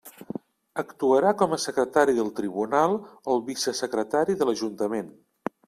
Actuarà com a secretari del Tribunal el vicesecretari de l'Ajuntament.